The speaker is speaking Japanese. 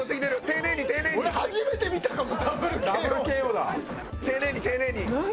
丁寧に丁寧に。何？